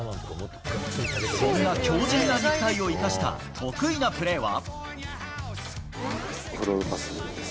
そんな強じんな肉体を生かした得意なプレーは？